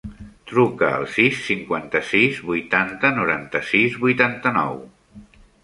Truca al sis, cinquanta-sis, vuitanta, noranta-sis, vuitanta-nou.